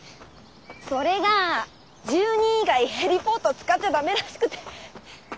それが住人以外ヘリポート使っちゃダメらしくて。